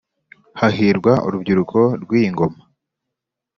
hahirwa urubyiruko rw'iyi ngoma